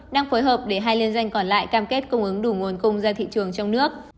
đang phối hợp để hai liên danh còn lại cam kết cung ứng đủ nguồn cung ra thị trường trong nước